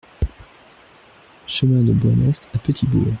Chemin de Boynest à Petit-Bourg